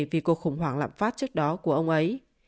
vì cuộc khủng hoảng lạm phát trước đó của ông ấy